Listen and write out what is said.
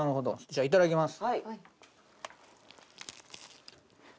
じゃあいただきます。